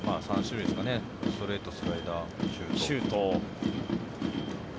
ストレート、スライダーシュート。